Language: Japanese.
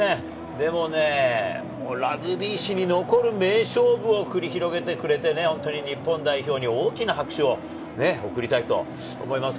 でもね、ラグビー史に残る名勝負を繰り広げてくれてね、本当に日本代表に大きな拍手を送りたいと思います。